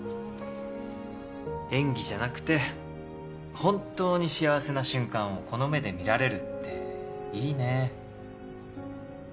演技じゃなくて本当に幸せな瞬間をこの目で見られるっていいね。